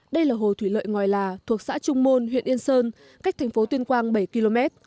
đây là hồ thủy lợi ngòi là thuộc xã trung môn huyện yên sơn cách thành phố tuyên quang bảy km